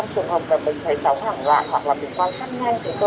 trong trường hợp mà mình thấy cháu hoảng vạn hoặc là mình quan sát nhanh